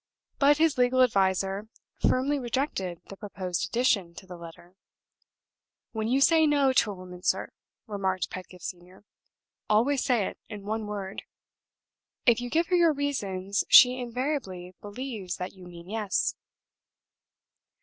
But his legal adviser firmly rejected the proposed addition to the letter. "When you say No to a woman, sir," remarked Pedgift Senior, "always say it in one word. If you give her your reasons, she invariably believes that you mean Yes."